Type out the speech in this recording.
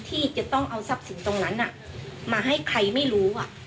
ที่จะต้องเอาทรัพย์สินตรงนั้นมาให้ใครไม่รู้